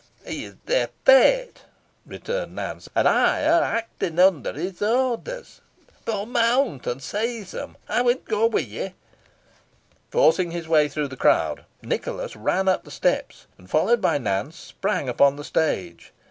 "He is their fate," returned Nance, "an ey ha' acted under his orders. Boh mount, an seize them. Ey win ge wi' ye." Forcing his way through the crowd, Nicholas ran up the steps, and, followed by Nance, sprang upon the stage.